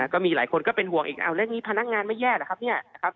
ก็มีหลายคนก็เป็นห่วงอีกแล้วนี่พนักงานไม่แย่เหรอครับ